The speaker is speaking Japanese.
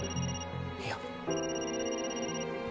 いや。